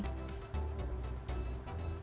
terima kasih banyak